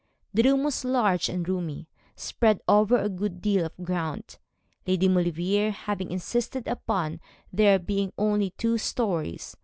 The house was large and roomy, spread over a good deal of ground, Lady Maulevrier having insisted upon there being only two stories.